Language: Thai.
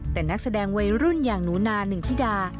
แต่นักแสดงวัยรุ่นอย่างหนูนาหนึ่งธิดา